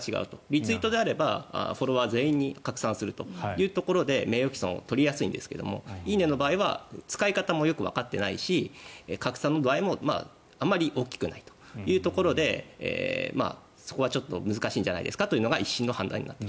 リツイートであればフォロワー全員に拡散するというところで名誉毀損を取りやすいんですが「いいね」の場合は使い方もよくわかっていないし拡散の度合いもあまり大きくないというところでそこがちょっと難しいんじゃないですかというのが１審の判決です。